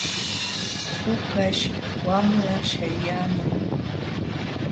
Pukaśh wamla śhayaamun.